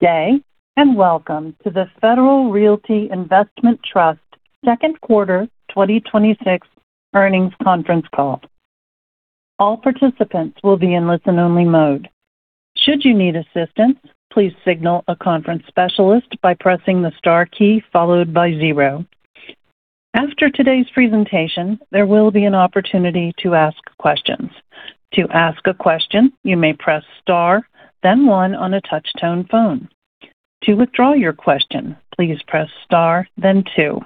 Good day, welcome to the Federal Realty Investment Trust second quarter 2026 earnings conference call. All participants will be in listen-only mode. Should you need assistance, please signal a conference specialist by pressing the star key followed by zero. After today's presentation, there will be an opportunity to ask questions. To ask a question, you may press star, then one on a touch-tone phone. To withdraw your question, please press star, then two.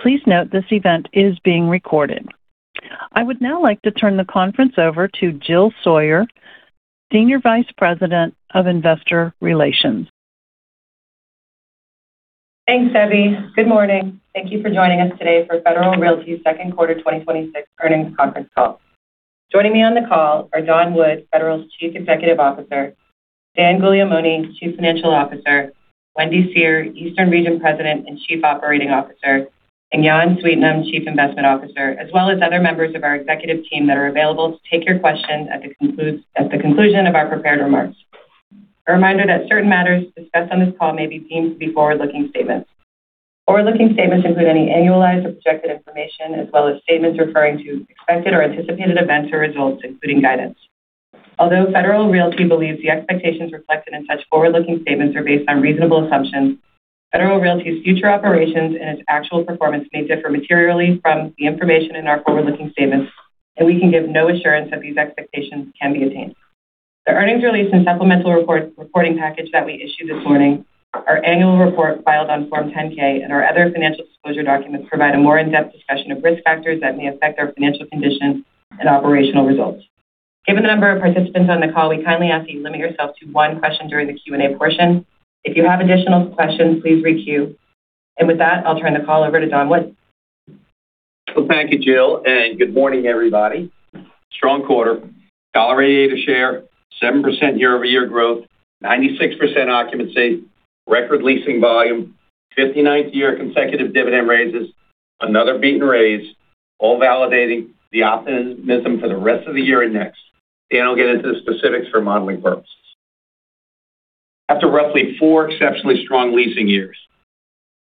Please note this event is being recorded. I would now like to turn the conference over to Jill Sawyer, Senior Vice President of Investor Relations. Thanks, Debbie. Good morning. Thank you for joining us today for Federal Realty's second quarter 2026 earnings conference call. Joining me on the call are Don Wood, Federal's Chief Executive Officer, Dan Guglielmone, Chief Financial Officer, Wendy Seher, Eastern Region President and Chief Operating Officer, and Jan Sweetnam, Chief Investment Officer, as well as other members of our executive team that are available to take your questions at the conclusion of our prepared remarks. A reminder that certain matters discussed on this call may be deemed to be forward-looking statements. Forward-looking statements include any annualized or projected information, as well as statements referring to expected or anticipated events or results, including guidance. Although Federal Realty believes the expectations reflected in such forward-looking statements are based on reasonable assumptions, Federal Realty's future operations and its actual performance may differ materially from the information in our forward-looking statements, and we can give no assurance that these expectations can be attained. The earnings release and supplemental reporting package that we issued this morning, our annual report filed on Form 10-K and our other financial disclosure documents provide a more in-depth discussion of risk factors that may affect our financial condition and operational results. Given the number of participants on the call, we kindly ask that you limit yourself to one question during the Q&A portion. If you have additional questions, please re-queue. With that, I'll turn the call over to Don Wood. Well, thank you, Jill, good morning, everybody. Strong quarter. $1.88 a share, 7% year-over-year growth, 96% occupancy, record leasing volume, 59th year consecutive dividend raises, another beat and raise, all validating the optimism for the rest of the year and next. Dan will get into the specifics for modeling purposes. After roughly four exceptionally strong leasing years,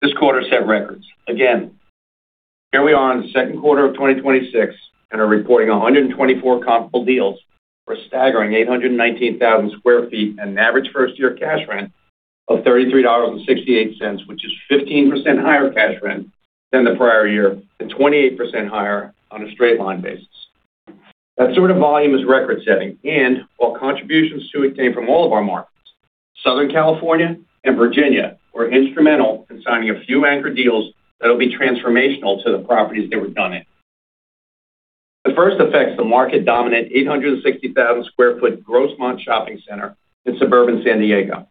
this quarter set records. Again, here we are in the second quarter of 2026 and are reporting 124 comparable deals for a staggering 819,000 sq ft and an average first-year cash rent of $33.68, which is 15% higher cash rent than the prior year and 28% higher on a straight line basis. That sort of volume is record-setting, and while contributions to it came from all of our markets, Southern California and Virginia were instrumental in signing a few anchor deals that'll be transformational to the properties they were done in. The first affects the market-dominant 860,000 sq ft Grossmont Shopping Center in suburban San Diego,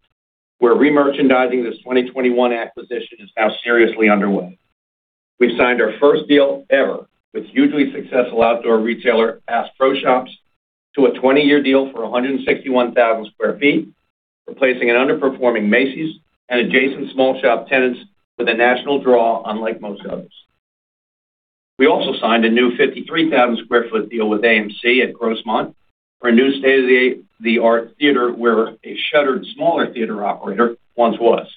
where re-merchandising this 2021 acquisition is now seriously underway. We've signed our first deal ever with hugely successful outdoor retailer, Bass Pro Shops, to a 20-year deal for 161,000 sq ft, replacing an underperforming Macy's and adjacent small shop tenants with a national draw unlike most others. We also signed a new 53,000 sq ft deal with AMC at Grossmont for a new state-of-the-art theater where a shuttered smaller theater operator once was.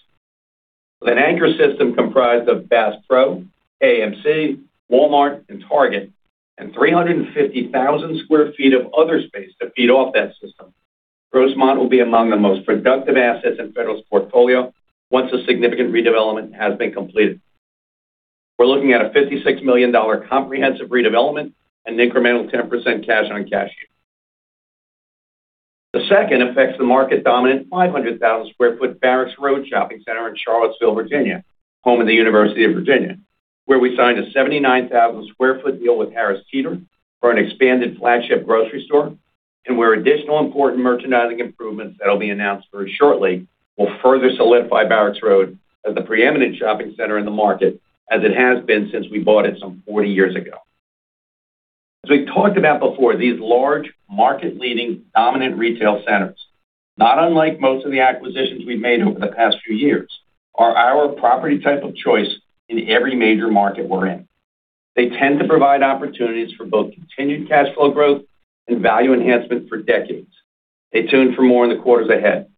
With an anchor system comprised of Bass Pro, AMC, Walmart, and Target, and 350,000 sq ft of other space to feed off that system, Grossmont will be among the most productive assets in Federal's portfolio once the significant redevelopment has been completed. We're looking at a $56 million comprehensive redevelopment and incremental 10% cash-on-cash here. The second affects the market-dominant 500,000 sq ft Barracks Road Shopping Center in Charlottesville, Virginia, home of the University of Virginia, where we signed a 79,000 sq ft deal with Harris Teeter for an expanded flagship grocery store, and where additional important merchandising improvements that'll be announced very shortly will further solidify Barracks Road as the preeminent shopping center in the market, as it has been since we bought it some 40 years ago. As we've talked about before, these large market-leading dominant retail centers, not unlike most of the acquisitions we've made over the past few years, are our property type of choice in every major market we're in. They tend to provide opportunities for both continued cash flow growth and value enhancement for decades. Stay tuned for more in the quarters ahead.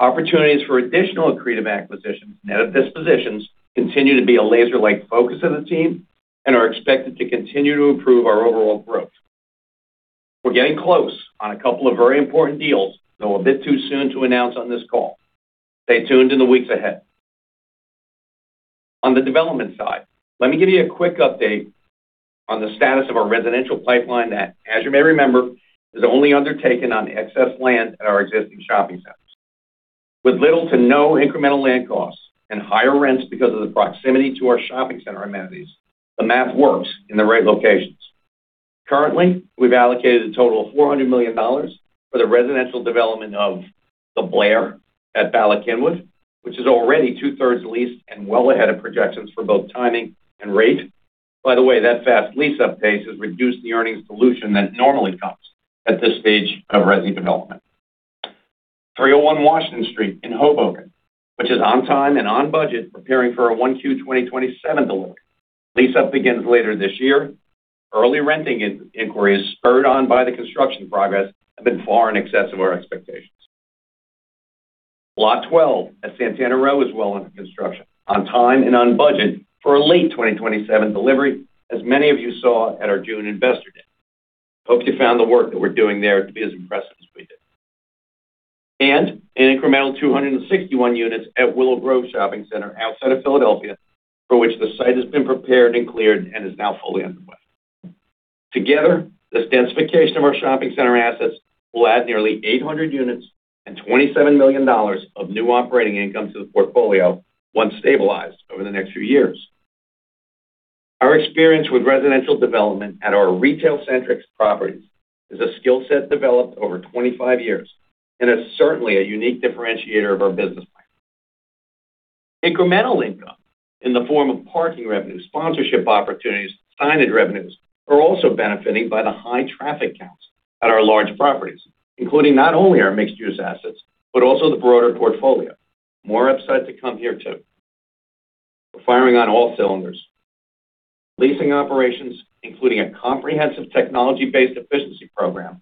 Opportunities for additional accretive acquisitions and net of dispositions continue to be a laser-like focus of the team and are expected to continue to improve our overall growth. We're getting close on a couple of very important deals, though a bit too soon to announce on this call. Stay tuned in the weeks ahead. On the development side, let me give you a quick update on the status of our residential pipeline that, as you may remember, is only undertaken on excess land at our existing shopping centers. With little to no incremental land costs and higher rents because of the proximity to our shopping center amenities, the math works in the right locations. Currently, we've allocated a total of $400 million for the residential development of Blayr at Bala Cynwyd, which is already two-thirds leased and well ahead of projections for both timing and rate. By the way, that fast lease-up pace has reduced the earnings dilution that normally comes at this stage of resi development. 301 Washington Street in Hoboken, which is on time and on budget, preparing for a 1Q 2027 delivery. Lease up begins later this year. Early renting inquiries spurred on by the construction progress have been far in excess of our expectations. Lot 12 at Santana Row is well under construction, on time and on budget for a late 2027 delivery, as many of you saw at our June Investor Day. An incremental 261 units at Willow Grove Shopping Center outside of Philadelphia, for which the site has been prepared and cleared and is now fully underway. Together, this densification of our shopping center assets will add nearly 800 units and $27 million of new operating income to the portfolio, once stabilized over the next few years. Our experience with residential development at our retail-centric properties is a skill set developed over 25 years, and is certainly a unique differentiator of our business plan. Incremental income in the form of parking revenues, sponsorship opportunities, signage revenues are also benefiting by the high traffic counts at our large properties, including not only our mixed-use assets, but also the broader portfolio. More upside to come here, too. We're firing on all cylinders. Leasing operations, including a comprehensive technology-based efficiency program.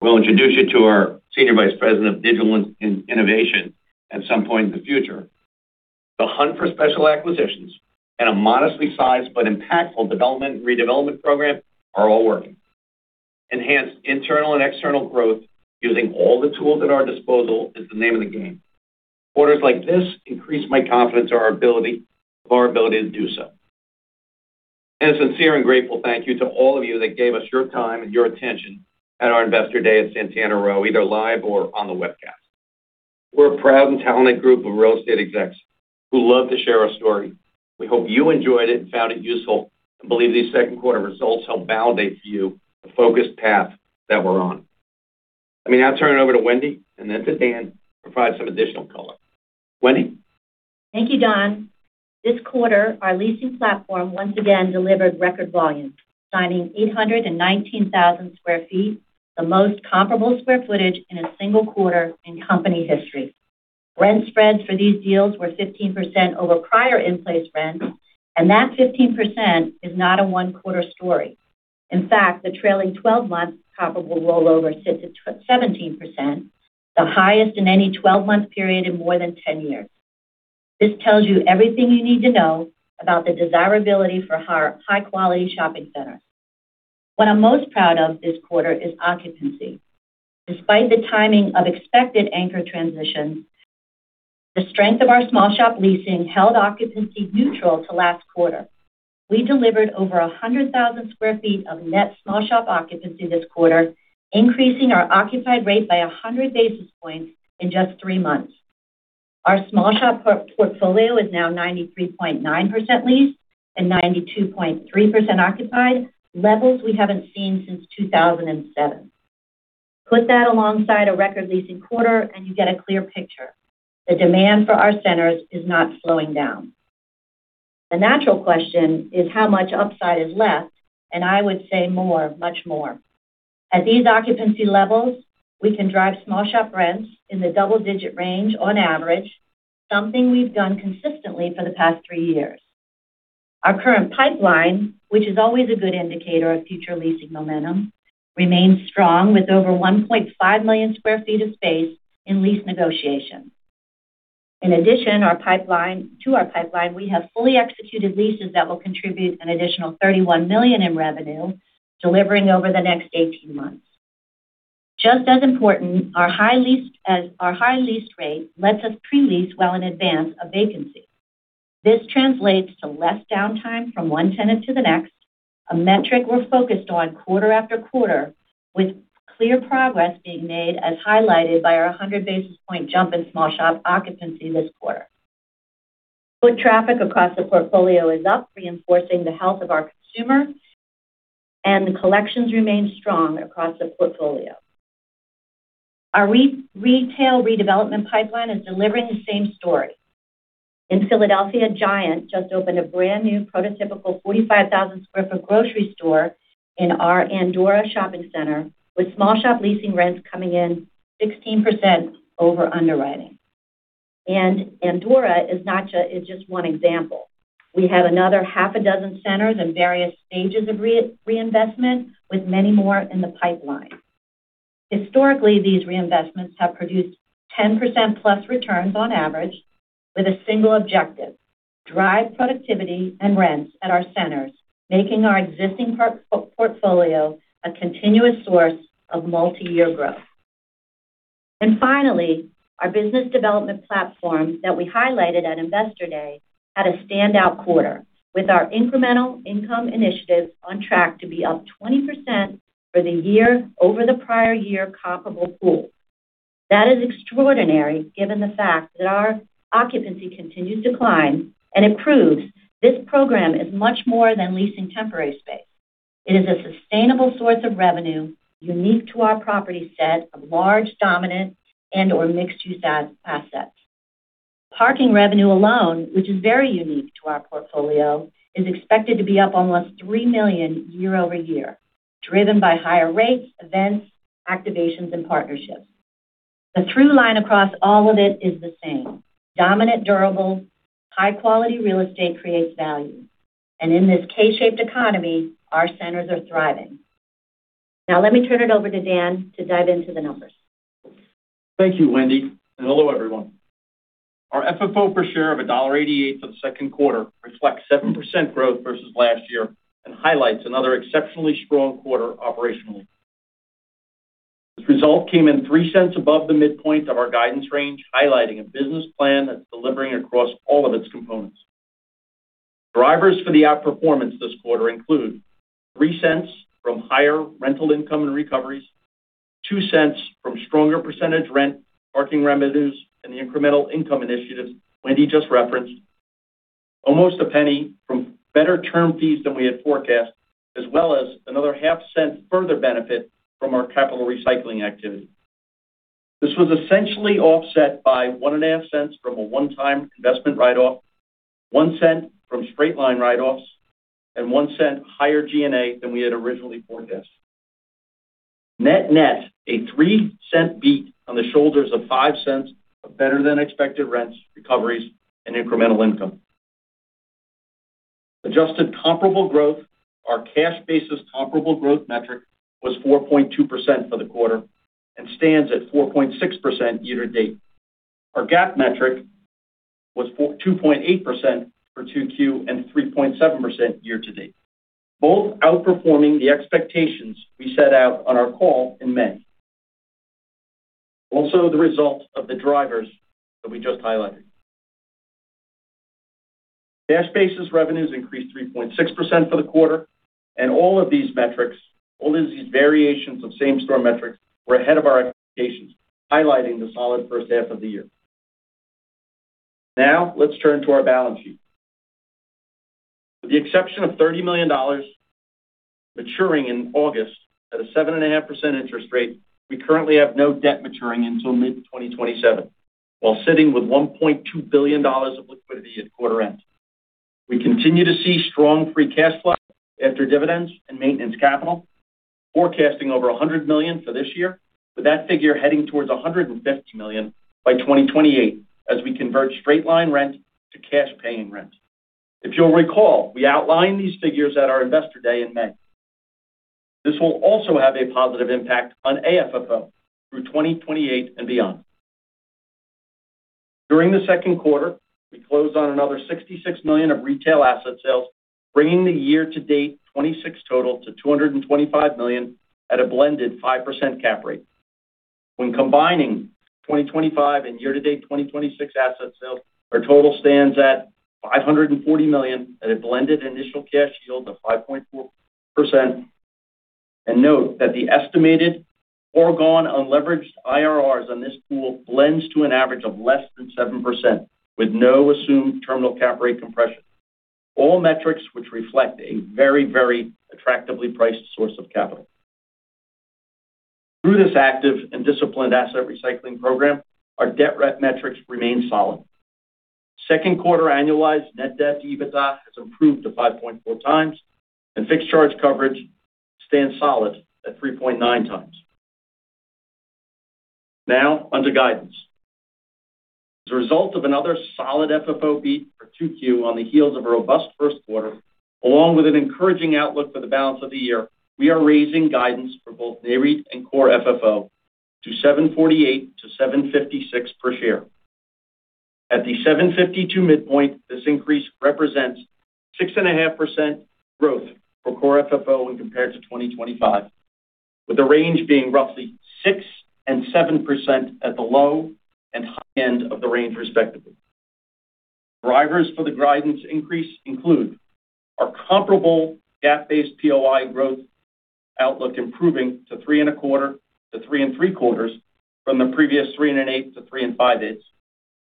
We'll introduce you to our Senior Vice President of Digital and Innovation at some point in the future. The hunt for special acquisitions and a modestly sized but impactful development and redevelopment program are all working. Enhanced internal and external growth using all the tools at our disposal is the name of the game. Quarters like this increase my confidence of our ability to do so. A sincere and grateful thank you to all of you that gave us your time and your attention at our Investor Day at Santana Row, either live or on the webcast. We're a proud and talented group of real estate execs who love to share our story. We hope you enjoyed it and found it useful, and believe these second quarter results help validate to you the focused path that we're on. Let me now turn it over to Wendy, and then to Dan to provide some additional color. Wendy? Thank you, Don. This quarter, our leasing platform once again delivered record volume, signing 819,000 sq ft, the most comparable square footage in a single quarter in company history. Rent spreads for these deals were 15% over prior in-place rents, and that 15% is not a one-quarter story. In fact, the trailing 12-month comparable rollover sits at 17%, the highest in any 12-month period in more than 10 years. This tells you everything you need to know about the desirability for high-quality shopping centers. What I'm most proud of this quarter is occupancy. Despite the timing of expected anchor transitions, the strength of our small shop leasing held occupancy neutral to last quarter. We delivered over 100,000 sq ft of net small shop occupancy this quarter, increasing our occupied rate by 100 basis points in just three months. Our small shop portfolio is now 93.9% leased and 92.3% occupied, levels we haven't seen since 2007. Put that alongside a record leasing quarter and you get a clear picture. The demand for our centers is not slowing down. The natural question is how much upside is left, and I would say more, much more. At these occupancy levels, we can drive small shop rents in the double-digit range on average, something we've done consistently for the past three years. Our current pipeline, which is always a good indicator of future leasing momentum, remains strong with over 1.5 million sq ft of space in lease negotiations. In addition to our pipeline, we have fully executed leases that will contribute an additional $31 million in revenue, delivering over the next 18 months. Just as important, our high lease rate lets us pre-lease well in advance of vacancy. This translates to less downtime from one tenant to the next, a metric we are focused on quarter-after-quarter, with clear progress being made as highlighted by our 100 basis point jump in small shop occupancy this quarter. Foot traffic across the portfolio is up, reinforcing the health of our consumer, and collections remain strong across the portfolio. Our retail redevelopment pipeline is delivering the same story. In Philadelphia, Giant just opened a brand-new prototypical 45,000 sq ft grocery store in our Andorra Shopping Center, with small shop leasing rents coming in 16% over underwriting. Andorra is just one example. We have another half a dozen centers in various stages of reinvestment, with many more in the pipeline. Historically, these reinvestments have produced 10%+ returns on average with a single objective: drive productivity and rents at our centers, making our existing portfolio a continuous source of multiyear growth. Finally, our business development platform that we highlighted at Investor Day had a standout quarter, with our incremental income initiative on track to be up 20% for the year over the prior year comparable pool. That is extraordinary given the fact that our occupancy continues to climb and improves. This program is much more than leasing temporary space. It is a sustainable source of revenue unique to our property set of large, dominant, and/or mixed-use assets. Parking revenue alone, which is very unique to our portfolio, is expected to be up almost $3 million year-over-year, driven by higher rates, events, activations, and partnerships. The through line across all of it is the same. Dominant, durable, high-quality real estate creates value. In this K-shaped economy, our centers are thriving. Let me turn it over to Dan to dive into the numbers. Thank you, Wendy, and hello, everyone. Our FFO per share of $1.88 for the second quarter reflects 7% growth versus last year and highlights another exceptionally strong quarter operationally. This result came in $0.03 above the midpoint of our guidance range, highlighting a business plan that's delivering across all of its components. Drivers for the outperformance this quarter include $0.03 from higher rental income and recoveries, $0.02 from stronger percentage rent, parking revenues, and the incremental income initiatives Wendy just referenced, almost $0.01 from better term fees than we had forecast, as well as another $0.005 further benefit from our capital recycling activity. This was essentially offset by $0.015 from a one-time investment write-off, $0.01 from straight-line write-offs, and $0.01 higher G&A than we had originally forecast. Net-net, a $0.03 beat on the shoulders of $0.05 of better-than-expected rents, recoveries, and incremental income. Adjusted comparable growth, our cash basis comparable growth metric was 4.2% for the quarter and stands at 4.6% year-to-date. Our GAAP metric was 2.8% for Q2 and 3.7% year-to-date, both outperforming the expectations we set out on our call in May. Also the result of the drivers that we just highlighted. Cash basis revenues increased 3.6% for the quarter. All of these metrics, all of these variations of same-store metrics, were ahead of our expectations, highlighting the solid first half of the year. Let's turn to our balance sheet. With the exception of $30 million maturing in August at a 7.5% interest rate, we currently have no debt maturing until mid-2027, while sitting with $1.2 billion of liquidity at quarter-end. We continue to see strong free cash flow after dividends and maintenance capital, forecasting over $100 million for this year, with that figure heading towards $150 million by 2028 as we convert straight-line rent to cash-paying rent. If you'll recall, we outlined these figures at our Investor Day in May. This will also have a positive impact on AFFO through 2028 and beyond. During the second quarter, we closed on another $66 million of retail asset sales, bringing the year-to-date 2026 total to $225 million at a blended 5% cap rate. When combining 2025 and year-to-date 2026 asset sales, our total stands at $540 million at a blended initial cash yield of 5.4%. Note that the estimated foregone unleveraged IRRs on this pool blends to an average of less than 7% with no assumed terminal cap rate compression. All metrics which reflect a very, very attractively priced source of capital. Through this active and disciplined asset recycling program, our debt rep metrics remain solid. Second quarter annualized net debt-to-EBITDA has improved to 5.4x, and fixed charge coverage stands solid at 3.9x. Now, on to guidance. As a result of another solid FFO beat for Q2 on the heels of a robust first quarter, along with an encouraging outlook for the balance of the year, we are raising guidance for both NAREIT and Core FFO to $748 to $756 per share. At the $752 midpoint, this increase represents 6.5% growth for Core FFO when compared to 2025, with the range being roughly 6%-7% at the low- and high-end of the range, respectively. Drivers for the guidance increase include our comparable GAAP-based POI growth outlook improving to 3.25% to 3.75% from the previous 3.125% to 3.625%.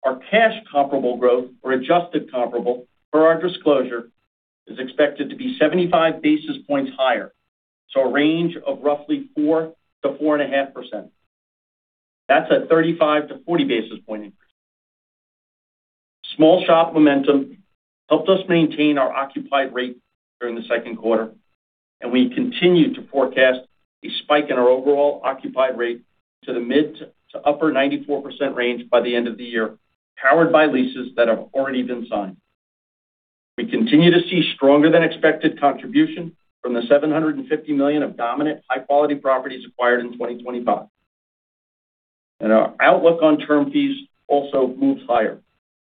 Our cash comparable growth or adjusted comparable per our disclosure is expected to be 75 basis points higher, so a range of roughly 4%-4.5%. That's a 35-basis point to 40-basis point increase. Small shop momentum helped us maintain our occupied rate during the second quarter, and we continue to forecast a spike in our overall occupied rate to the mid- to upper-94% range by the end of the year, powered by leases that have already been signed. We continue to see stronger than expected contribution from the $750 million of dominant high-quality properties acquired in 2025. Our outlook on term fees also moves higher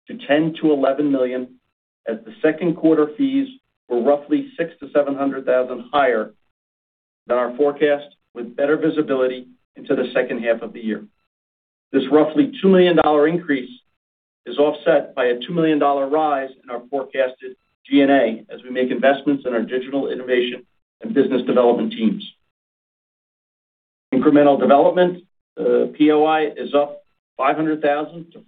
to $10 million to $11 million as the second quarter fees were roughly $600,000 to $700,000 higher than our forecast with better visibility into the second half of the year. This roughly $2 million increase is offset by a $2 million rise in our forecasted G&A as we make investments in our digital innovation and business development teams. Incremental development POI is up $500,000 to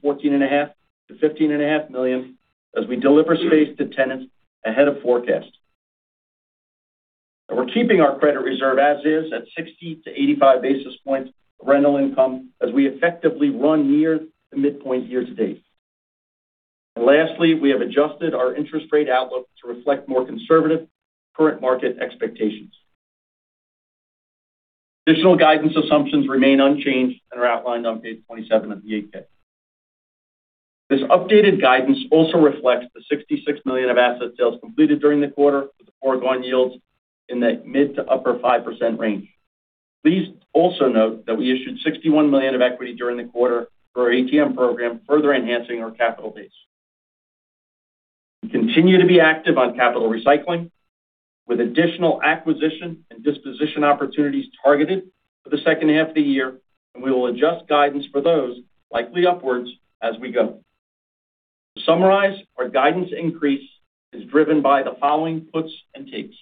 $15.5 million as we deliver space to tenants ahead of forecast. We're keeping our credit reserve as is at 60 basis points to 85 basis points of rental income as we effectively run near the midpoint year-to-date. Lastly, we have adjusted our interest rate outlook to reflect more conservative current market expectations. Additional guidance assumptions remain unchanged and are outlined on page 27 of the Form 8-K. This updated guidance also reflects the $66 million of asset sales completed during the quarter, with the foregone yields in that mid-to upper-5% range. Please also note that we issued $61 million of equity during the quarter through our ATM program, further enhancing our capital base. We continue to be active on capital recycling, with additional acquisition and disposition opportunities targeted for the second half of the year, and we will adjust guidance for those, likely upwards, as we go. To summarize, our guidance increase is driven by the following puts and takes.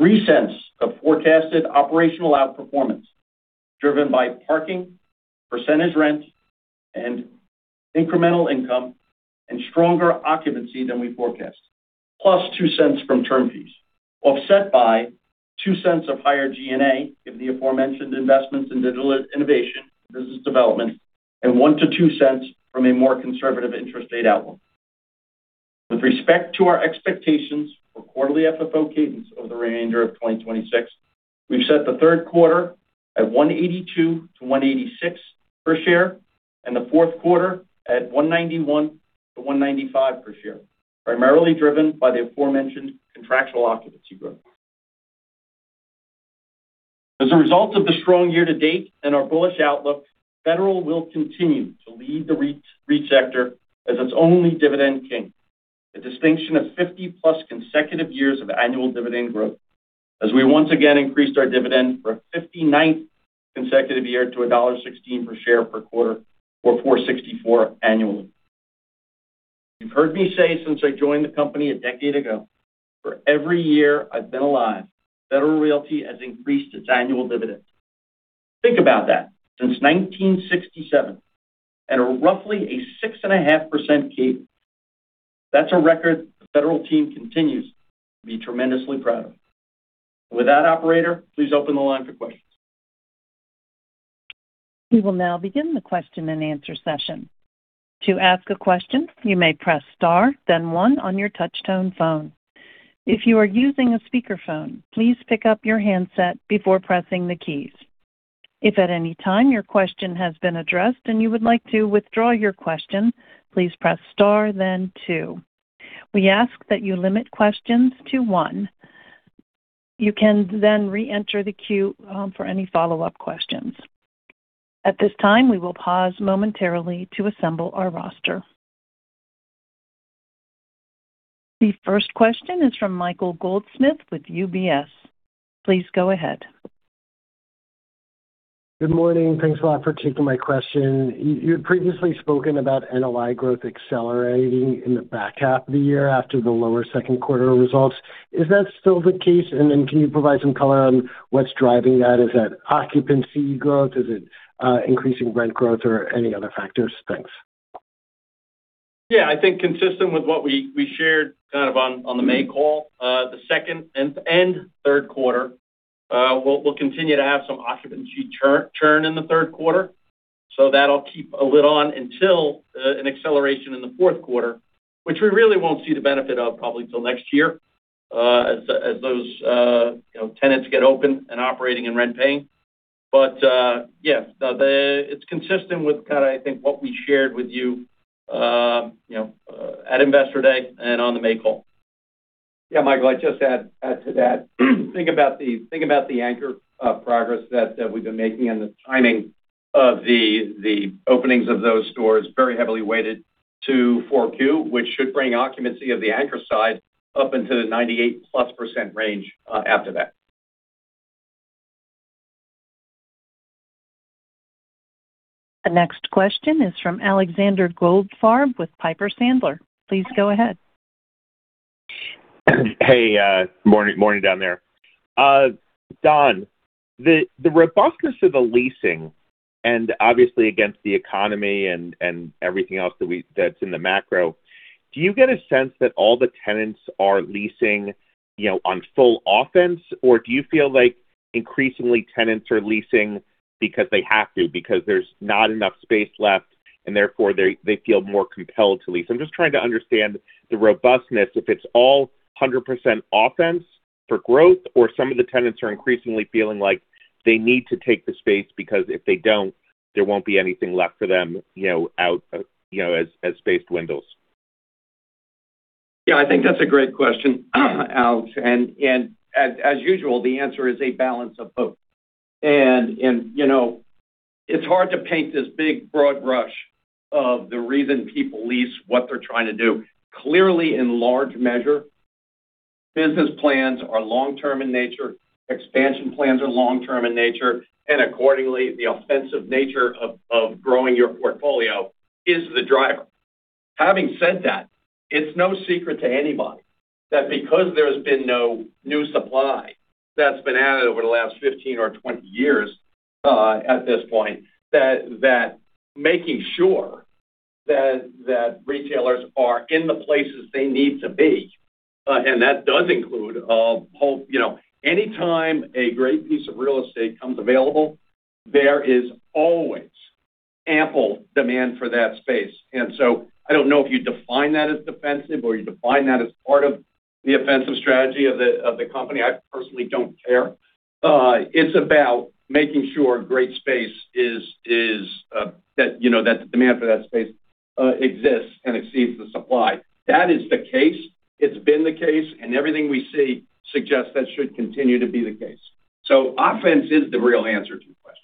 $0.03 of forecasted operational outperformance, driven by parking, percentage rent, and incremental income and stronger occupancy than we forecast. Plus $0.02 from term fees. Offset by $0.02 of higher G&A, given the aforementioned investments in digital innovation and business development, and $0.01-$0.02 from a more conservative interest rate outlook. With respect to our expectations for quarterly FFO cadence over the remainder of 2026, we've set the third quarter at $1.82-$1.86 per share, and the fourth quarter at $1.91-$1.95 per share, primarily driven by the aforementioned contractual occupancy growth. As a result of the strong year to date and our bullish outlook, Federal will continue to lead the REIT sector as its only dividend king, a distinction of 50+ consecutive years of annual dividend growth, as we once again increased our dividend for a 59th consecutive year to $1.16 per share per quarter, or $4.64 annually. You've heard me say since I joined the company a decade ago, for every year I've been alive, Federal has increased its annual dividend. Think about that. Since 1967, at a roughly a 6.5% cadence. That's a record the Federal team continues to be tremendously proud of. With that, operator, please open the line for questions. We will now begin the question-and-answer session. To ask a question, you may press star then one on your touch-tone phone. If you are using a speakerphone, please pick up your handset before pressing the keys. If at any time your question has been addressed and you would like to withdraw your question, please press star then two. We ask that you limit questions to one. You can then reenter the queue for any follow-up questions. At this time, we will pause momentarily to assemble our roster. The first question is from Michael Goldsmith with UBS. Please go ahead. Good morning. Thanks a lot for taking my question. You had previously spoken about NOI growth accelerating in the back half of the year after the lower second quarter results. Is that still the case? Can you provide some color on what's driving that? Is that occupancy growth? Is it increasing rent growth or any other factors? Thanks. Yeah, I think consistent with what we shared kind of on the May call, the second and third quarter, we'll continue to have some occupancy churn in the third quarter. That'll keep a lid on until an acceleration in the fourth quarter, which we really won't see the benefit of probably till next year as those tenants get open and operating and rent paying. Yeah. It's consistent with kind of I think what we shared with you at Investor Day and on the May call. Yeah, Michael, I'd just add to that. Think about the anchor progress that we've been making and the timing of the openings of those stores, very heavily weighted to 4Q, which should bring occupancy of the anchor side up into the 98+% range after that. The next question is from Alexander Goldfarb with Piper Sandler. Please go ahead. Hey, morning down there. Don, the robustness of the leasing and obviously against the economy and everything else that's in the macro, do you get a sense that all the tenants are leasing on full offense, or do you feel like increasingly tenants are leasing because they have to, because there's not enough space left and therefore they feel more compelled to lease? I'm just trying to understand the robustness, if it's all 100% offense for growth or some of the tenants are increasingly feeling like they need to take the space because if they don't, there won't be anything left for them as space dwindles. Yeah, I think that's a great question, Alex, as usual, the answer is a balance of both. It's hard to paint this big broad brush of the reason people lease what they're trying to do. Clearly, in large measure, business plans are long-term in nature, expansion plans are long-term in nature, and accordingly, the offensive nature of growing your portfolio is the driver. Having said that, it's no secret to anybody that because there's been no new supply that's been added over the last 15-20 years at this point, that making sure that retailers are in the places they need to be That does include anytime a great piece of real estate comes available, there is always ample demand for that space. I don't know if you define that as defensive or you define that as part of the offensive strategy of the company. I personally don't care. It's about making sure great space that the demand for that space exists and exceeds the supply. That is the case, it's been the case, and everything we see suggests that should continue to be the case. Offense is the real answer to your question.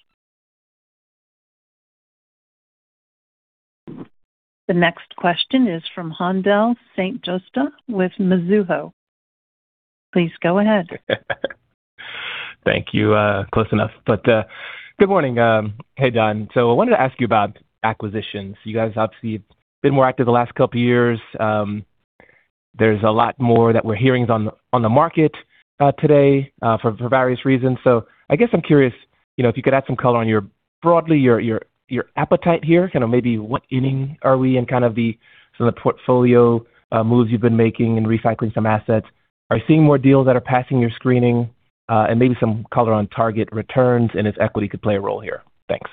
The next question is from Haendel St. Juste with Mizuho. Please go ahead. Thank you. Close enough. Good morning. Hey, Don. I wanted to ask you about acquisitions. You guys obviously have been more active the last couple of years. There's a lot more that we're hearing on the market today, for various reasons. I guess I'm curious, if you could add some color on broadly, your appetite here. Kind of maybe what inning are we in kind of the sort of portfolio moves you've been making and recycling some assets. Are you seeing more deals that are passing your screening? Maybe some color on target returns and if equity could play a role here. Thanks.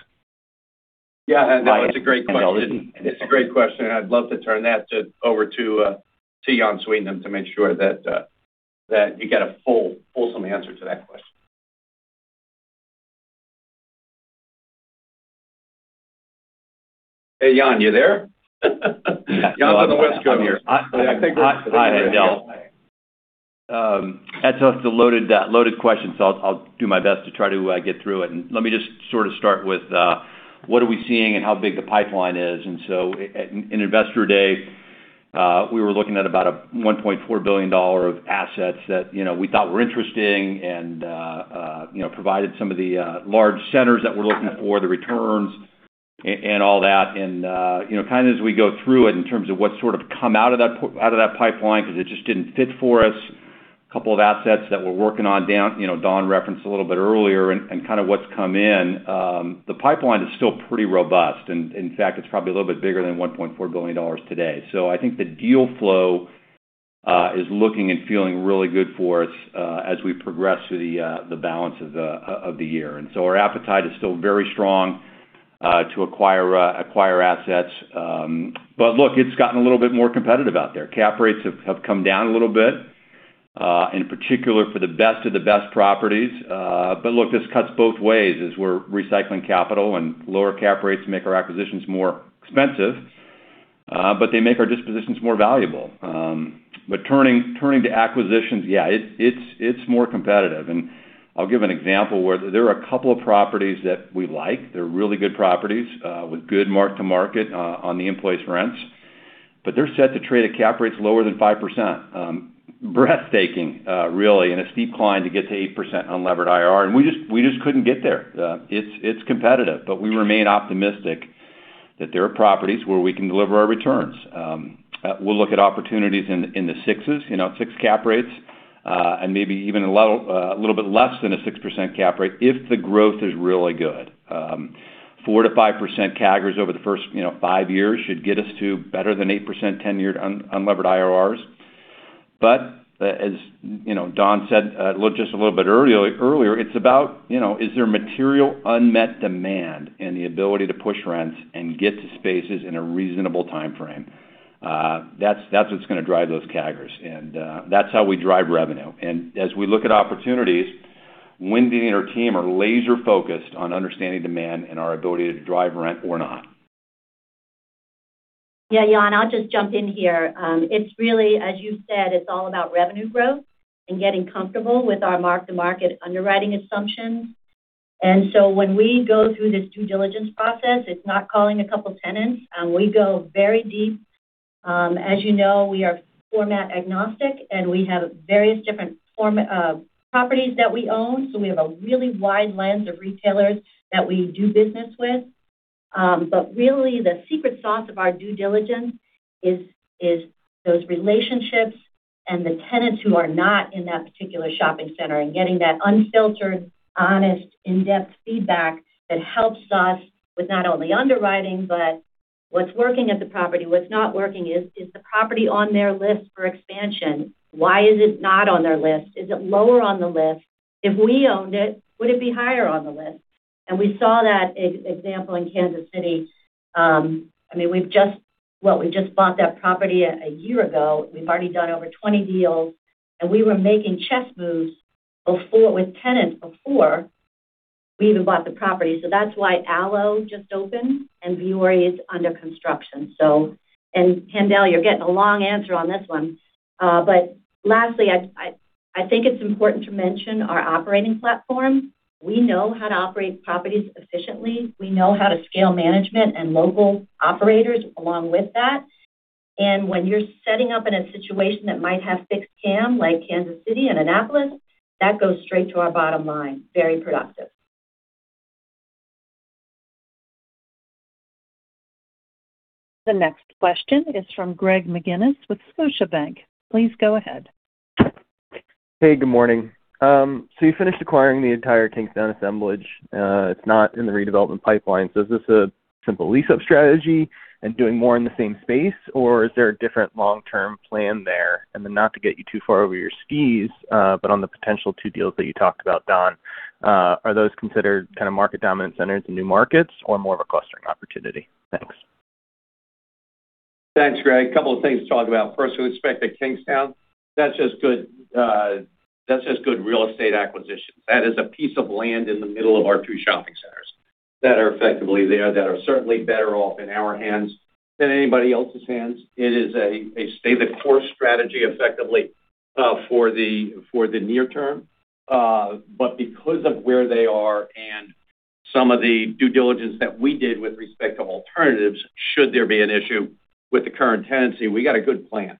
Yeah. No, it's a great question, and I'd love to turn that over to Jan Sweetnam to make sure that you get a fulsome answer to that question. Hey, Jan, you there? Jan's on the West Coast. I'm here. Yeah, I think we're- Hi, Haendel. That's a loaded question. I'll do my best to try to get through it. Let me just sort of start with what are we seeing and how big the pipeline is. In Investor Day, we were looking at about $1.4 billion of assets that we thought were interesting and provided some of the large centers that we're looking for, the returns, and all that. Kind of as we go through it in terms of what sort of come out of that pipeline because it just didn't fit for us, a couple of assets that we're working on down, Don referenced a little bit earlier, and kind of what's come in. The pipeline is still pretty robust. In fact, it's probably a little bit bigger than $1.4 billion today. I think the deal flow is looking and feeling really good for us as we progress through the balance of the year. Our appetite is still very strong to acquire assets. Look, it's gotten a little bit more competitive out there. Cap rates have come down a little bit, in particular for the best of the best properties. Look, this cuts both ways as we're recycling capital and lower cap rates make our acquisitions more expensive, but they make our dispositions more valuable. Turning to acquisitions, yeah, it's more competitive. I'll give an example where there are a couple of properties that we like. They're really good properties, with good mark-to-market on the in-place rents. They're set to trade at cap rates lower than 5%. Breathtaking, really, and a steep climb to get to 8% unlevered IRR. We just couldn't get there. It's competitive. We remain optimistic that there are properties where we can deliver our returns. We'll look at opportunities in the sixes, 6% cap rates, and maybe even a little bit less than a 6% cap rate if the growth is really good. 4%-5% CAGRs over the first five years should get us to better than 8% 10-year unlevered IRRs. As Don said just a little bit earlier, it's about, is there material unmet demand and the ability to push rents and get to spaces in a reasonable timeframe? That's what's going to drive those CAGRs. That's how we drive revenue. As we look at opportunities, Wendy and her team are laser-focused on understanding demand and our ability to drive rent or not. Yeah, Jan, I'll just jump in here. It's really, as you said, it's all about revenue growth and getting comfortable with our mark-to-market underwriting assumptions. When we go through this due diligence process, it's not calling a couple tenants. We go very deep. As you know, we are format agnostic, and we have various different properties that we own, so we have a really wide lens of retailers that we do business with. Really, the secret sauce of our due diligence is those relationships and the tenants who are not in that particular shopping center and getting that unfiltered, honest, in-depth feedback that helps us with not only underwriting, but what's working at the property, what's not working. Is the property on their list for expansion? Why is it not on their list? Is it lower on the list? If we owned it, would it be higher on the list? We saw that example in Kansas City. We just bought that property a year ago. We've already done over 20 deals, and we were making chess moves with tenants before we even bought the property. That's why Alo just opened and Vuori is under construction. Haendel, you're getting a long answer on this one. Lastly, I think it's important to mention our operating platform. We know how to operate properties efficiently. We know how to scale management and local operators along with that. When you're setting up in a situation that might have fixed CAM, like Kansas City and Annapolis, that goes straight to our bottom-line. Very productive. The next question is from Greg McGinniss with Scotiabank. Please go ahead. Hey, good morning. You finished acquiring the entire Kingstowne assemblage. It's not in the redevelopment pipeline. Is this a simple lease-up strategy and doing more in the same space, or is there a different long-term plan there? Not to get you too far over your skis, on the potential two deals that you talked about, Don, are those considered kind of market dominant centers in new markets or more of a clustering opportunity? Thanks. Thanks, Greg. Couple of things to talk about. First, with respect to Kingstowne, that's just good real estate acquisition. That is a piece of land in the middle of our two shopping centers that are effectively there, that are certainly better-off in our hands than anybody else's hands. It is a stay-the-course strategy, effectively, for the near-term. Because of where they are and some of the due diligence that we did with respect of alternatives, should there be an issue with the current tenancy, we got a good plan.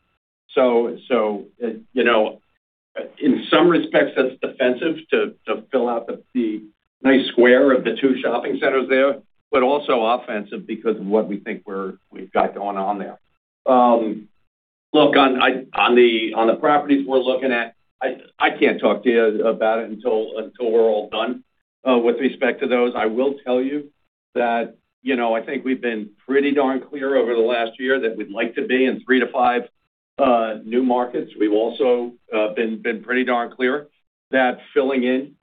In some respects, that's defensive to fill out the nice square of the two shopping centers there, also offensive because of what we think we've got going on there. Look, on the properties we're looking at, I can't talk to you about it until we're all done with respect to those. I will tell you that I think we've been pretty darn clear over the last year that we'd like to be in three to five new markets. We've also been pretty darn clear that filling in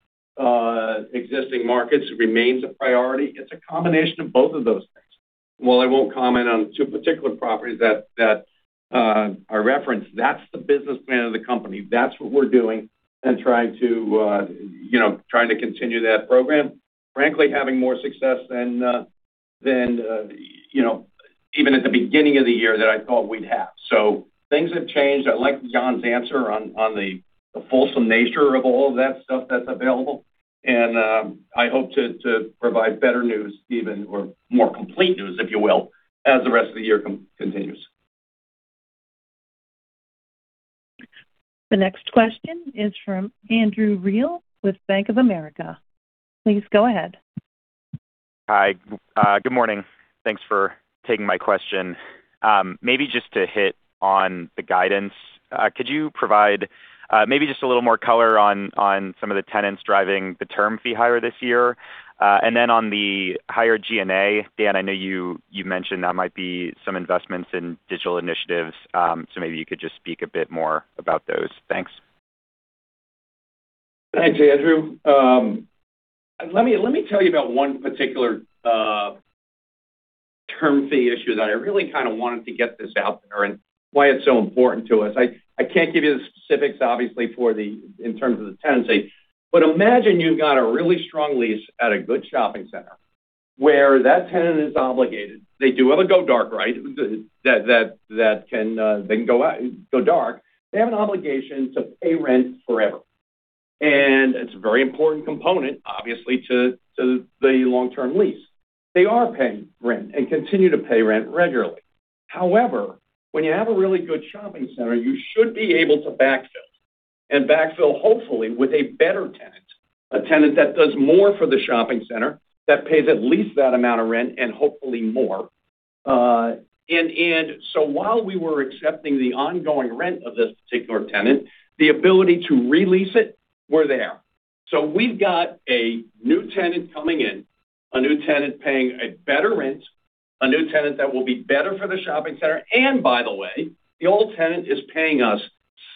existing markets remains a priority. It's a combination of both of those things. While I won't comment on two particular properties that are referenced, that's the business plan of the company. That's what we're doing and trying to continue that program. Frankly, having more success than even at the beginning of the year that I thought we'd have. Things have changed. I like Jan's answer on the fulsome nature of all of that stuff that's available, and I hope to provide better news even, or more complete news, if you will, as the rest of the year continues. The next question is from Andrew Reale with Bank of America. Please go ahead. Hi. Good morning. Thanks for taking my question. Maybe just to hit on the guidance, could you provide maybe just a little more color on some of the tenants driving the term fee higher this year? Then on the higher G&A, Dan, I know you mentioned that might be some investments in digital initiatives, so maybe you could just speak a bit more about those. Thanks. Thanks, Andrew. Let me tell you about one particular term fee issue that I really kind of wanted to get this out there and why it's so important to us. I can't give you the specifics, obviously, in terms of the tenancy, but imagine you've got a really strong lease at a good shopping center where that tenant is obligated. They do have a go dark, right? That they can go dark. They have an obligation to pay rent forever, and it's a very important component, obviously, to the long-term lease. They are paying rent and continue to pay rent regularly. However, when you have a really good shopping center, you should be able to backfill, and backfill, hopefully, with a better tenant, a tenant that does more for the shopping center, that pays at least that amount of rent and hopefully more. While we were accepting the ongoing rent of this particular tenant, the ability to re-lease it were there. We've got a new tenant coming in, a new tenant paying a better rent, a new tenant that will be better for the shopping center. By the way, the old tenant is paying us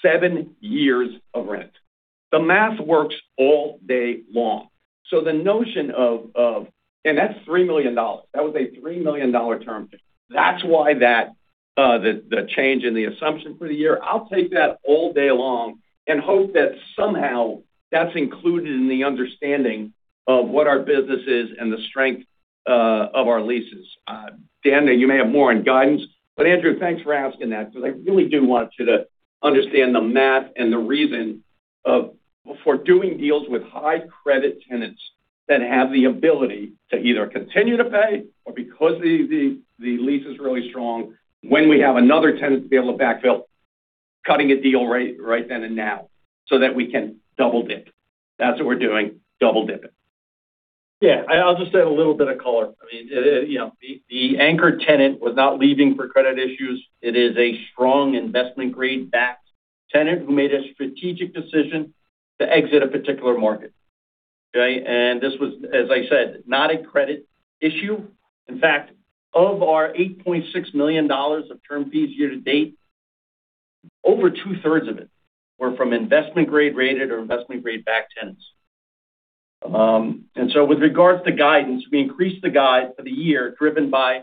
seven years of rent. The math works all day long. That's $3 million. That was a $3 million term fee. That's why the change in the assumption for the year. I'll take that all day long and hope that somehow that's included in the understanding of what our business is and the strength of our leases. Dan, you may have more on guidance, Andrew, thanks for asking that because I really do want you to understand the math and the reason for doing deals with high credit tenants that have the ability to either continue to pay or because the lease is really strong, when we have another tenant to be able to backfill, cutting a deal right then and now so that we can double dip. That's what we're doing, double dipping. Yeah, I'll just add a little bit of color. The anchor tenant was not leaving for credit issues. It is a strong investment grade-backed tenant who made a strategic decision to exit a particular market. Okay. This was, as I said, not a credit issue. In fact, of our $8.6 million of term fees year-to-date, over two-thirds of it were from investment grade-rated or investment grade-backed tenants. With regards to guidance, we increased the guide for the year driven by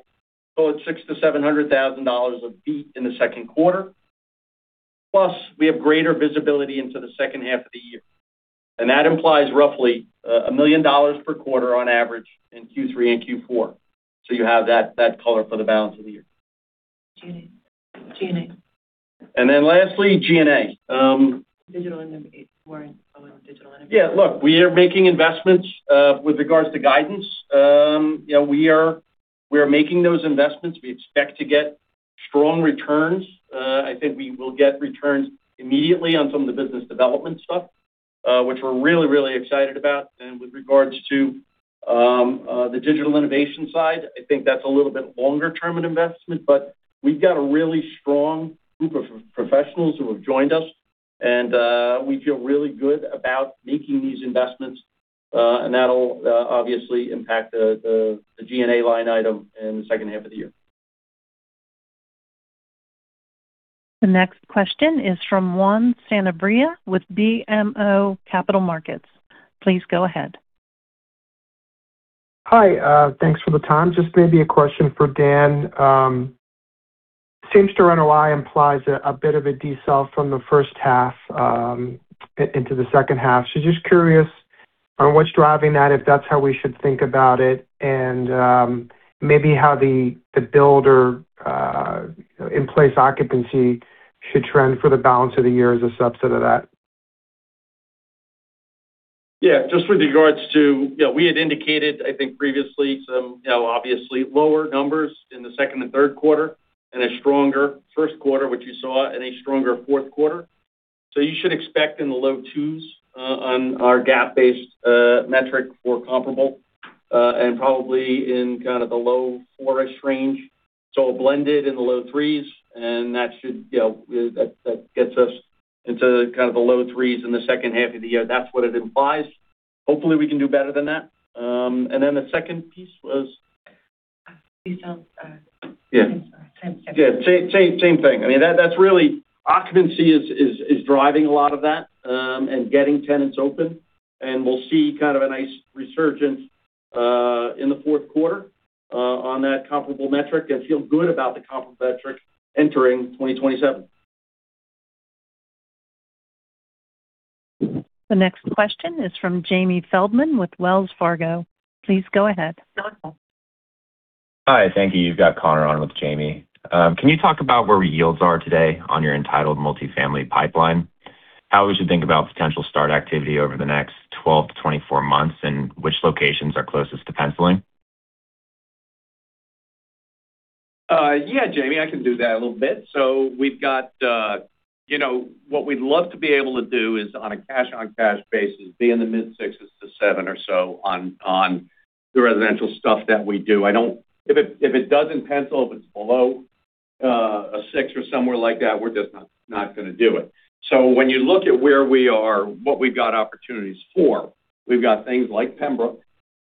$600,000-$700,000 of beat in the second quarter. Plus, we have greater visibility into the second half of the year. That implies roughly $1 million per quarter on average in Q3 and Q4. You have that color for the balance of the year. G&A. Lastly, G&A. Digital innovation, more on digital innovation. Yeah, look, we are making investments with regards to guidance. We are making those investments. We expect to get strong returns. I think we will get returns immediately on some of the business development stuff. Which we're really, really excited about. With regards to the digital innovation side, I think that's a little bit longer-term an investment. We've got a really strong group of professionals who have joined us, and we feel really good about making these investments. That'll obviously impact the G&A line item in the second half of the year. The next question is from Juan Sanabria with BMO Capital Markets. Please go ahead. Hi, thanks for the time. Just maybe a question for Dan. Seems to run a line implies a bit of a decel from the first half into the second half. Just curious on what's driving that, if that's how we should think about it, and maybe how the build or in-place occupancy should trend for the balance of the year as a subset of that. Yeah. We had indicated, I think previously, some obviously lower numbers in the second and third quarter, and a stronger first quarter, which you saw, and a stronger fourth quarter. You should expect in the low 2s on our GAAP-based metric for comparable, and probably in kind of the low 4s range. Blended in the low 3s, and that gets us into kind of the low 3s in the second half of the year. That's what it implies. Hopefully, we can do better than that. The second piece was Decels are- Yeah Yeah. Same thing. I mean, that's really occupancy is driving a lot of that, and getting tenants open. We'll see kind of a nice resurgence in the fourth quarter on that comparable metric and feel good about the comparable metric entering 2027. The next question is from Jamie Feldman with Wells Fargo. Please go ahead. Hi. Thank you. You've got Connor on with Jamie. Can you talk about where yields are today on your entitled multifamily pipeline? How we should think about potential start activity over the next 12-24 months, and which locations are closest to penciling? Yeah, Connor, I can do that a little bit. What we'd love to be able to do is on a cash on cash basis, be in the 6.5%-7% or so on the residential stuff that we do. If it doesn't pencil, if it's below a 6% or somewhere like that, we're just not going to do it. When you look at where we are, what we've got opportunities for, we've got things like Pembroke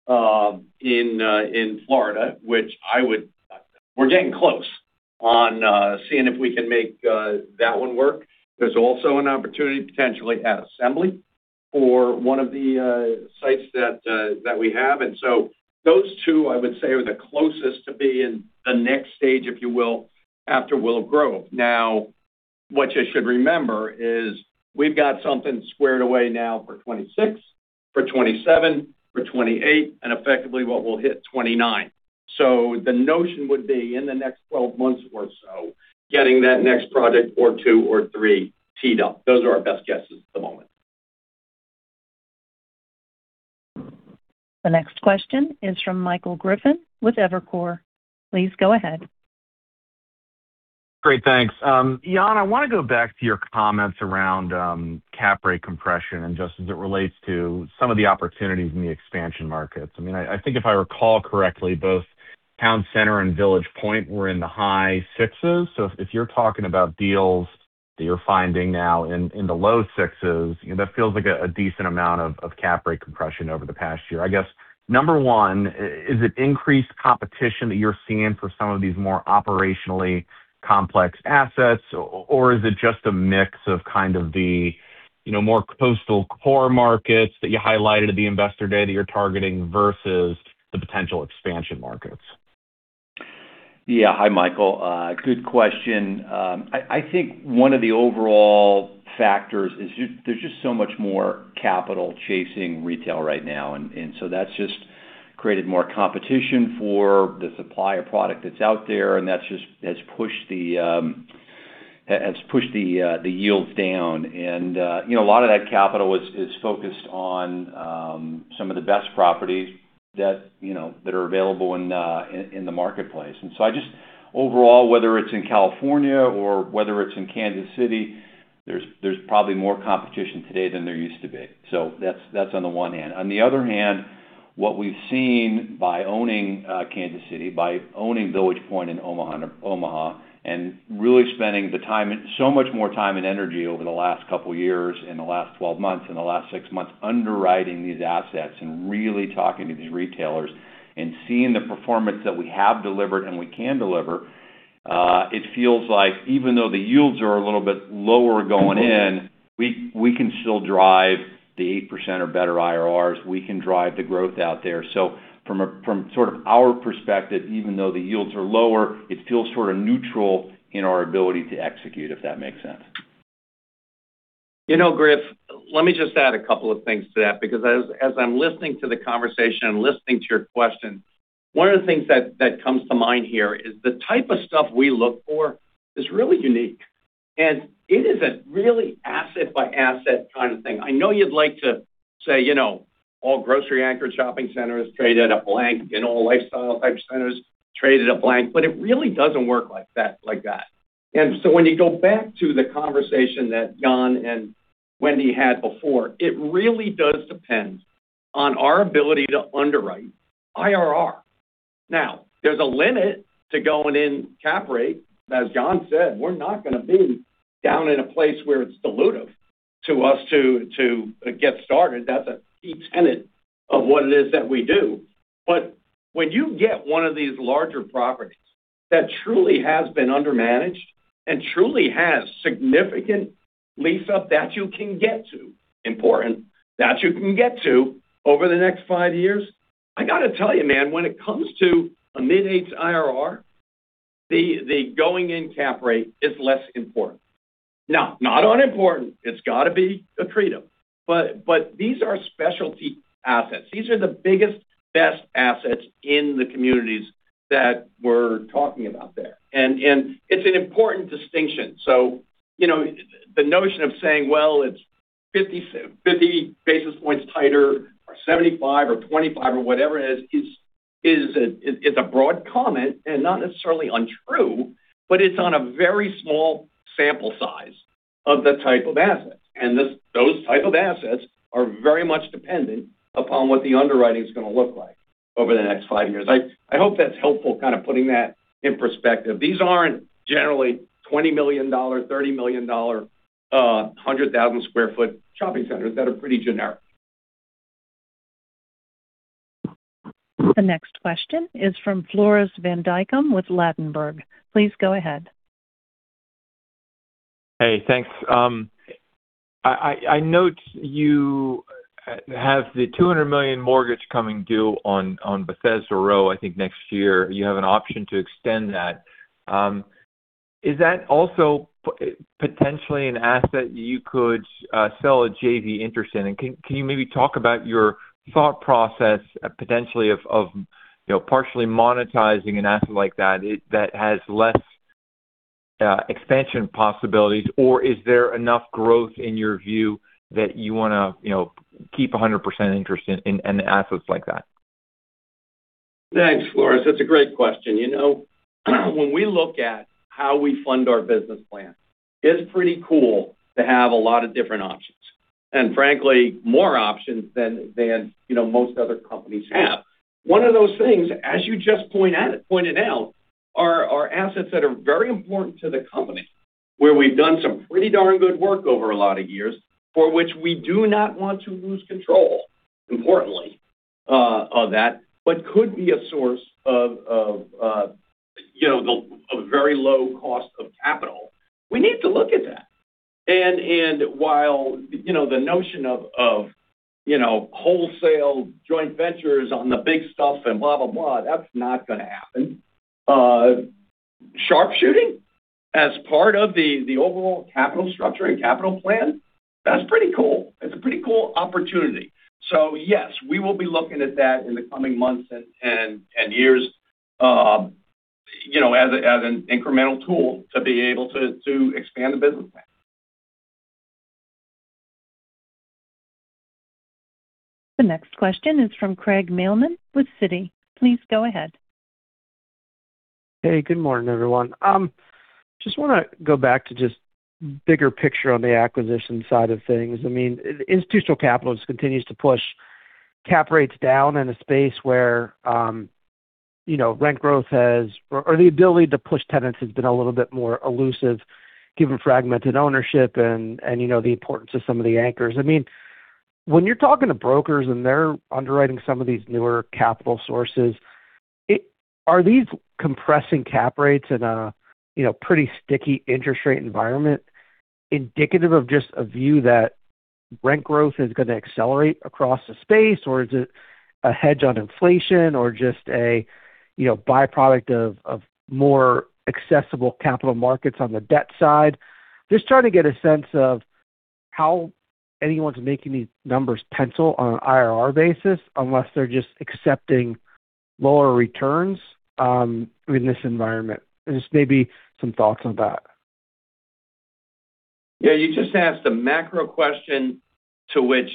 in Florida. We're getting close on seeing if we can make that one work. There's also an opportunity potentially at Assembly for one of the sites that we have. Those two, I would say, are the closest to being the next stage, if you will, after Willow Grove. Now, what you should remember is we've got something squared away now for 2026, for 2027, for 2028, and effectively what we'll hit 2029. The notion would be in the next 12 months or so, getting that next project or two or three teed up. Those are our best guesses at the moment. The next question is from Michael Griffin with Evercore. Please go ahead. Great. Thanks. Jan, I want to go back to your comments around cap rate compression, and just as it relates to some of the opportunities in the expansion markets. I mean, I think if I recall correctly, both Town Center and Village Point were in the high 6s. If you're talking about deals that you're finding now in the low 6s, that feels like a decent amount of cap rate compression over the past year. I guess, number pne, is it increased competition that you're seeing for some of these more operationally complex assets, or is it just a mix of kind of the more coastal core markets that you highlighted at the Investor Day that you're targeting versus the potential expansion markets? Yeah. Hi, Michael. Good question. I think one of the overall factors is there's just so much more capital chasing retail right now, and that's just created more competition for the supply of product that's out there, and that just has pushed the yields down. A lot of that capital is focused on some of the best properties that are available in the marketplace. I just, overall, whether it's in California or whether it's in Kansas City, there's probably more competition today than there used to be. That's on the one hand. On the other hand, what we've seen by owning Kansas City, by owning Village Point in Omaha, and really spending so much more time and energy over the last couple of years, in the last 12 months, in the last six months, underwriting these assets and really talking to these retailers and seeing the performance that we have delivered and we can deliver. It feels like even though the yields are a little bit lower going in, we can still drive the 8% or better IRRs. We can drive the growth out there. From sort of our perspective, even though the yields are lower, it feels sort of neutral in our ability to execute, if that makes sense. You know, Griff, let me just add a couple of things to that, because as I'm listening to the conversation and listening to your question, one of the things that comes to mind here is the type of stuff we look for is really unique. It is a really asset-by-asset kind of thing. I know you'd like to say all grocery anchored shopping centers trade at a blank. All lifestyle-type centers trade at a blank, but it really doesn't work like that. When you go back to the conversation that Jan and Wendy had before, it really does depend on our ability to underwrite IRR. Now, there's a limit to going in cap rate, as Jan said, we're not going to be down in a place where it's dilutive to us to get started. That's a key tenet of what it is that we do. When you get one of these larger properties that truly has been under-managed and truly has significant lease-up that you can get to, important, that you can get to over the next five years, I got to tell you, man, when it comes to a mid-age IRR, the going in cap rate is less important. Now, not unimportant, it's got to be accretive, but these are specialty assets. These are the biggest, best assets in the communities that we're talking about there. It's an important distinction. The notion of saying, well, it's 50 basis points tighter or 75 basis points or 25 basis points or whatever it is, it's a broad comment, and not necessarily untrue, but it's on a very small sample size of the type of assets. Those type of assets are very much dependent upon what the underwriting is going to look like over the next five years. I hope that's helpful kind of putting that in perspective. These aren't generally $20 million, $30 million, 100,000 sq ft shopping centers that are pretty generic. The next question is from Floris van Dijkum with Ladenburg. Please go ahead. Hey, thanks. I note you have the $200 million mortgage coming due on Bethesda Row, I think, next year. You have an option to extend that. Is that also potentially an asset you could sell a JV interest in? Can you maybe talk about your thought process potentially of partially monetizing an asset like that has less expansion possibilities? Is there enough growth in your view that you want to keep 100% interest in assets like that? Thanks, Floris. That's a great question. When we look at how we fund our business plan, it's pretty cool to have a lot of different options, and frankly, more options than most other companies have. One of those things, as you just pointed out, are assets that are very important to the company, where we've done some pretty darn good work over a lot of years for which we do not want to lose control, importantly of that, but could be a source of a very low cost of capital. We need to look at that. While the notion of wholesale joint ventures on the big stuff and blah, blah, that's not going to happen. Sharpshooting as part of the overall capital structure and capital plan, that's pretty cool. It's a pretty cool opportunity. Yes, we will be looking at that in the coming months and years as an incremental tool to be able to expand the business plan. The next question is from Craig Mailman with Citi. Please go ahead. Hey, good morning, everyone. Just want to go back to just bigger picture on the acquisition side of things. Institutional capital just continues to push cap rates down in a space where rent growth has or the ability to push tenants has been a little bit more elusive given fragmented ownership and the importance of some of the anchors. When you're talking to brokers and they're underwriting some of these newer capital sources, are these compressing cap rates in a pretty sticky interest rate environment indicative of just a view that rent growth is going to accelerate across the space? Or is it a hedge on inflation? Or just a byproduct of more accessible capital markets on the debt side? Just trying to get a sense of how anyone's making these numbers pencil on an IRR basis unless they're just accepting lower returns in this environment. Just maybe some thoughts on that. Yeah, you just asked a macro question to which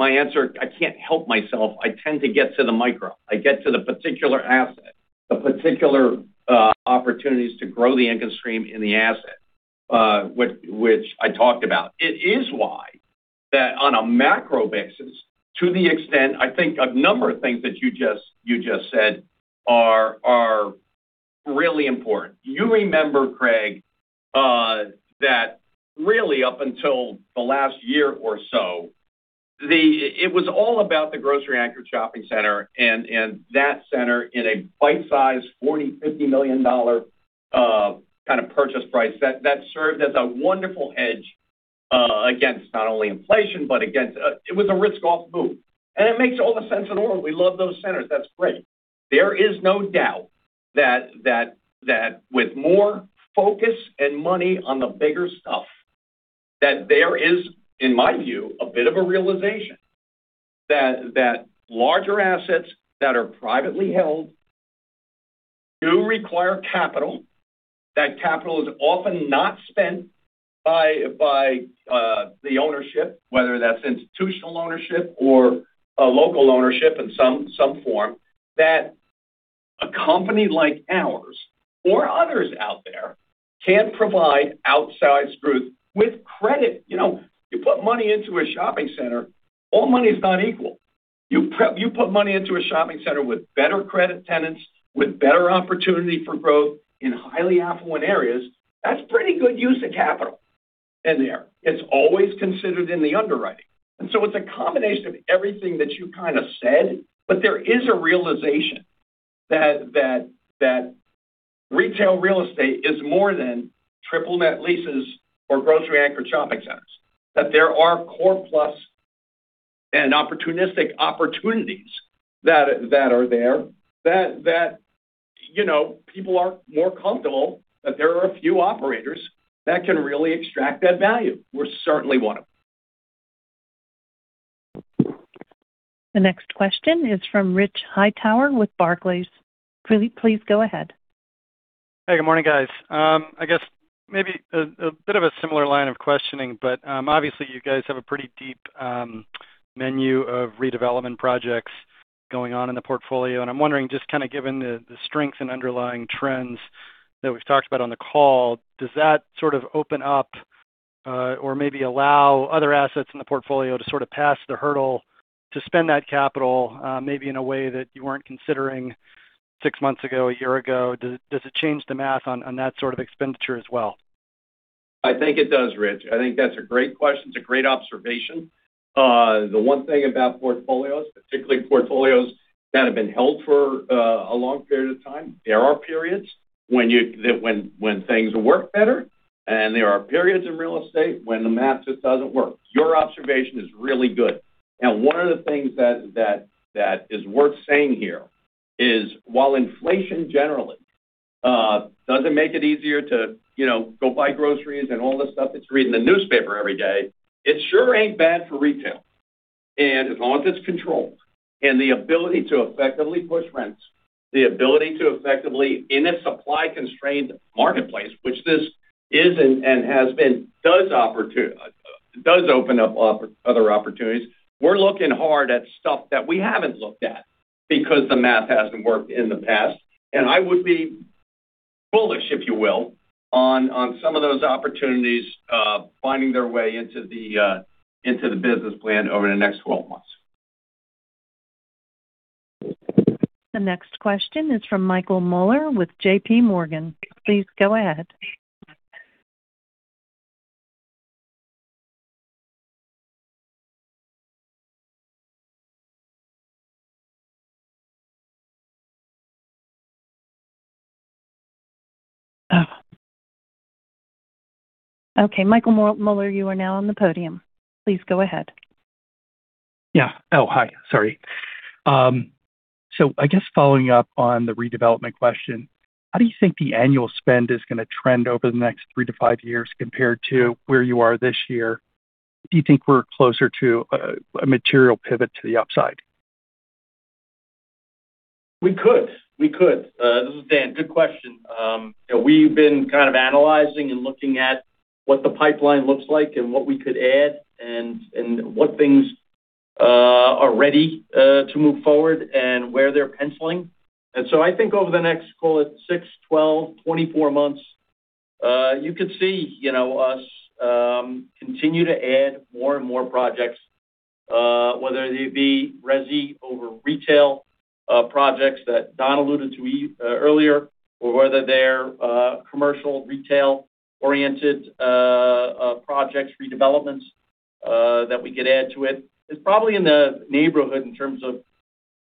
my answer, I can't help myself, I tend to get to the micro. I get to the particular asset, the particular opportunities to grow the income stream in the asset which I talked about. It is why that on a macro basis, to the extent I think a number of things that you just said are really important. You remember, Craig, that really up until the last year or so, it was all about the grocery anchor shopping center and that center in a bite-sized $40 million-$50 million kind of purchase price that served as a wonderful hedge against not only inflation, but against It was a risk-off move. It makes all the sense in the world. We love those centers. That's great. There is no doubt that with more focus and money on the bigger stuff, that there is, in my view, a bit of a realization that larger assets that are privately held do require capital That capital is often not spent by the ownership, whether that's institutional ownership or a local ownership in some form, that a company like ours or others out there can provide outsized growth with credit. You put money into a shopping center, all money is not equal. You put money into a shopping center with better credit tenants, with better opportunity for growth in highly affluent areas, that's pretty good use of capital in there. It's always considered in the underwriting. It's a combination of everything that you kind of said, but there is a realization that retail real estate is more than triple net leases or grocery-anchored shopping centers. That there are core plus and opportunistic opportunities that are there, that people are more comfortable that there are a few operators that can really extract that value. We're certainly one of them. The next question is from Rich Hightower with Barclays. Please go ahead. Hey, good morning, guys. I guess maybe a bit of a similar line of questioning, but, obviously you guys have a pretty deep menu of redevelopment projects going on in the portfolio. I'm wondering, just kind of given the strengths and underlying trends that we've talked about on the call, does that sort of open up, or maybe allow other assets in the portfolio to sort of pass the hurdle to spend that capital, maybe in a way that you weren't considering six months ago, a year ago? Does it change the math on that sort of expenditure as well? I think it does, Rich. I think that's a great question. It's a great observation. The one thing about portfolios, particularly portfolios that have been held for a long period of time, there are periods when things work better, and there are periods in real estate when the math just doesn't work. Your observation is really good. One of the things that is worth saying here is while inflation generally doesn't make it easier to go buy groceries and all this stuff that's read in the newspaper every day, it sure ain't bad for retail. As long as it's controlled and the ability to effectively push rents, the ability to effectively in a supply-constrained marketplace, which this is and has been, does open up other opportunities. We're looking hard at stuff that we haven't looked at because the math hasn't worked in the past. I would be bullish, if you will, on some of those opportunities, finding their way into the business plan over the next 12 months. The next question is from Michael Mueller with JPMorgan. Please go ahead. Okay, Michael Mueller, you are now on the podium. Please go ahead. Hi. Sorry. I guess following up on the redevelopment question, how do you think the annual spend is going to trend over the next three to five years compared to where you are this year? Do you think we're closer to a material pivot to the upside? We could. This is Dan. Good question. We've been kind of analyzing and looking at what the pipeline looks like and what we could add and what things are ready to move forward and where they're penciling. I think over the next, call it six, 12, 24 months, you could see us continue to add more and more projects. Whether they be resi over retail projects that Don alluded to earlier, or whether they're commercial retail-oriented projects, redevelopments that we could add to it. It's probably in the neighborhood in terms of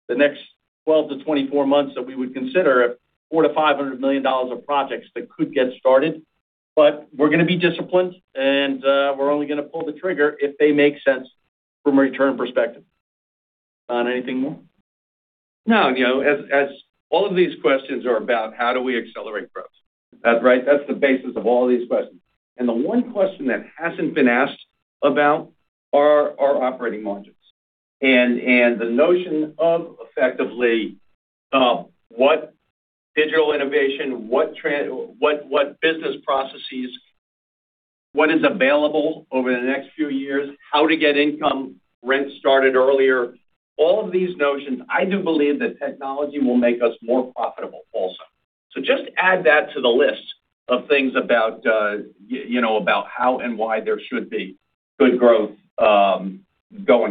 the next 12-24 months that we would consider a $400 million-$500 million of projects that could get started. We're going to be disciplined, and we're only going to pull the trigger if they make sense from a return perspective. Don, anything more? No, as all of these questions are about how do we accelerate growth. That's right, that's the basis of all these questions. The one question that hasn't been asked about are our operating margins. The notion of effectively, what digital innovation, what business processes, what is available over the next few years, how to get income rent started earlier, all of these notions, I do believe that technology will make us more profitable also. Just add that to the list of things about how and why there should be good growth going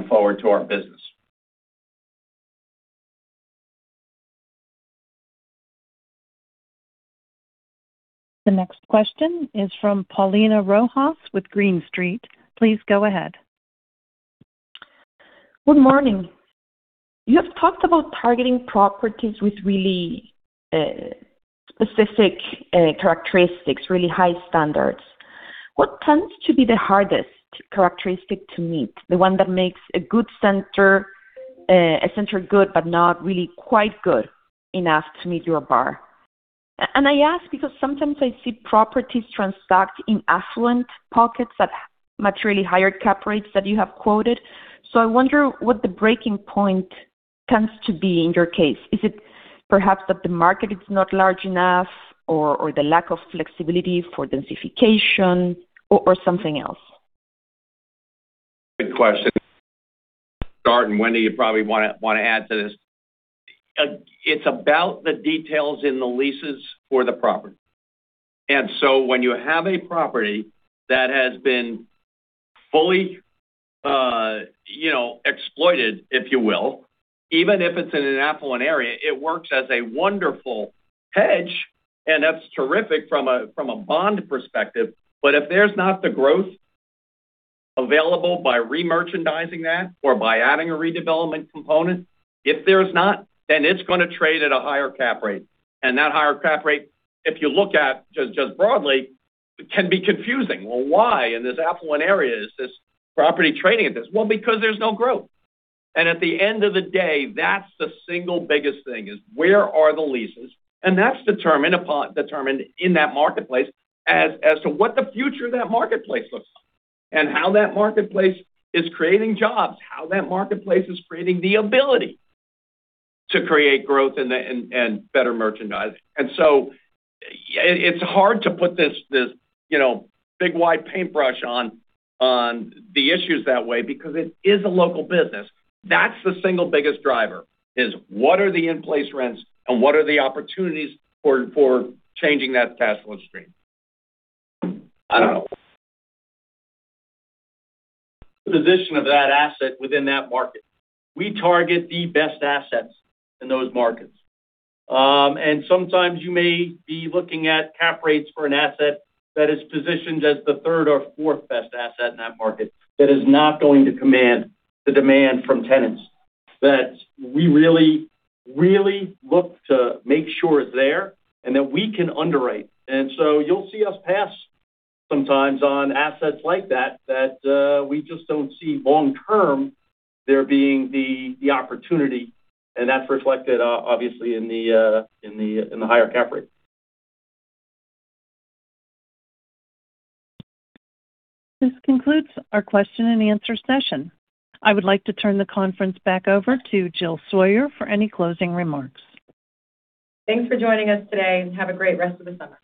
forward to our business. The next question is from Paulina Rojas with Green Street. Please go ahead. Good morning. You have talked about targeting properties with really specific characteristics, really high standards. What tends to be the hardest characteristic to meet, the one that makes a center good but not really quite good enough to meet your bar? I ask because sometimes I see properties transact in affluent pockets at much really higher cap rates that you have quoted. I wonder what the breaking point tends to be in your case. Is it perhaps that the market is not large enough, or the lack of flexibility for densification, or something else? Good question. Start, Wendy, you probably want to add to this. It's about the details in the leases for the property. When you have a property that has been fully exploited, if you will, even if it's in an affluent area, it works as a wonderful hedge, and that's terrific from a bond perspective. If there's not the growth available by remerchandising that or by adding a redevelopment component, if there's not, then it's going to trade at a higher cap rate. That higher cap rate, if you look at just broadly, can be confusing. Well, why in this affluent area is this property trading at this? Well, because there's no growth. At the end of the day, that's the single biggest thing is where are the leases? That's determined in that marketplace as to what the future of that marketplace looks like and how that marketplace is creating jobs, how that marketplace is creating the ability to create growth and better merchandise. It's hard to put this big wide paintbrush on the issues that way because it is a local business. That's the single biggest driver is what are the in-place rents and what are the opportunities for changing that cash flow stream. I don't know. The position of that asset within that market. We target the best assets in those markets. Sometimes you may be looking at cap rates for an asset that is positioned as the third or fourth-best asset in that market that is not going to command the demand from tenants that we really look to make sure is there and that we can underwrite. You'll see us pass sometimes on assets like that we just don't see long-term there being the opportunity, and that's reflected obviously in the higher cap rate. This concludes our question-and-answer session. I would like to turn the conference back over to Jill Sawyer for any closing remarks. Thanks for joining us today, and have a great rest of the summer.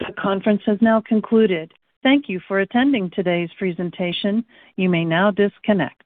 The conference has now concluded. Thank you for attending today's presentation. You may now disconnect.